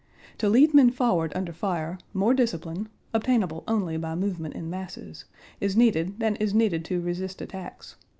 To lead men forward under fire more discipline (obtainable only by movement in masses) is needed than is needed to resist attacks.